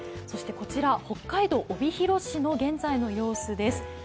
そしてこちら北海道帯広市の現在の様子です。